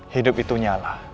hidup itu nyala